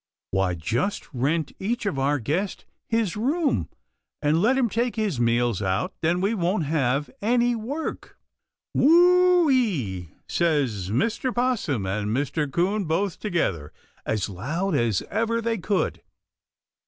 "Why, just rent each of our guests his room and let him take his meals out. Then we won't have any work." "Whoo ee!" says Mr. 'Possum and Mr. 'Coon both together, as loud as ever they could.